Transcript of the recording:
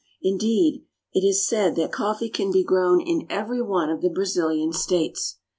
Indeed, it is said that coffee can be grown in every one of the Brazilian states.